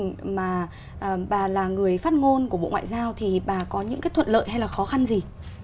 trong quá trình mà bà là người phát ngôn của bộ ngoại giao thì bà có những cái thuận lợi hay là khó khăn gì